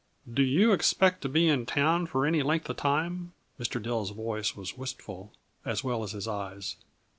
"Do you expect to be in town for any length of time?" Mr. Dill's voice was wistful, as well as his eyes.